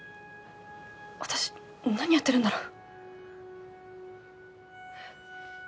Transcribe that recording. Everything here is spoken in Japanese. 私何やってるんだろう。